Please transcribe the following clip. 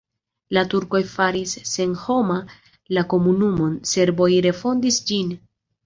La turkoj faris senhoma la komunumon, serboj refondis ĝin.